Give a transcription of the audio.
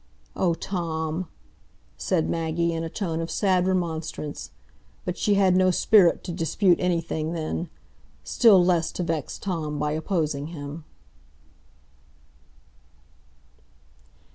"Oh, Tom!" said Maggie, in a tone of sad remonstrance; but she had no spirit to dispute anything then, still less to vex Tom by opposing him.